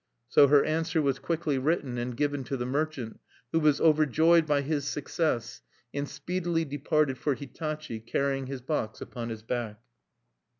So her answer was quickly written, and given to the merchant, who was overjoyed by his success, and speedily departed for Hitachi, carrying his box upon his back.